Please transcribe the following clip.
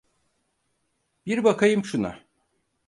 Bir bakayım şuna.